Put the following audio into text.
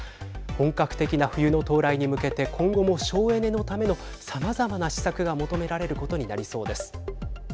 本格的な冬の到来に向けて今後も省エネのためのさまざまな施策が求められることになりそうです。